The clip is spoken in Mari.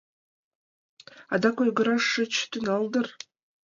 — Адак ойгыраш шыч тӱҥал дыр?